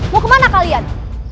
mau kemana kalian